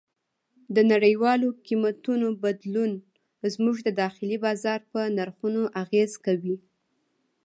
د نړیوالو قیمتونو بدلون زموږ د داخلي بازار په نرخونو اغېز کوي.